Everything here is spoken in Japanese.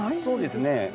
そうですね。